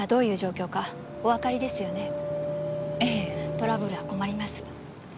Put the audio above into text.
トラブルは困ります。